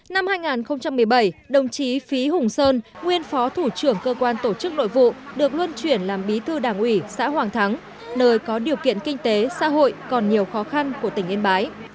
năm hai nghìn một mươi bảy đồng chí phí hùng sơn nguyên phó thủ trưởng cơ quan tổ chức nội vụ được luân chuyển làm bí thư đảng ủy xã hoàng thắng nơi có điều kiện kinh tế xã hội còn nhiều khó khăn của tỉnh yên bái